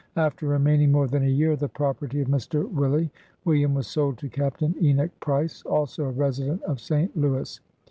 5 After remaining more than a year the property of Mr. Willi, William was sold to Capt. Enoch Price, also a resident of St. Louis.